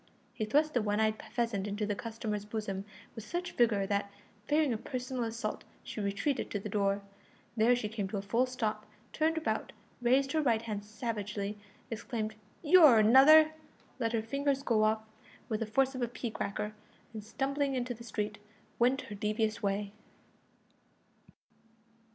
He thrust the one eyed pheasant into the customer's bosom with such vigour that, fearing a personal assault, she retreated to the door. There she came to a full stop, turned about, raised her right hand savagely, exclaimed "You're another!" let her fingers go off with the force of a pea cracker, and, stumbling into the street, went her devious way.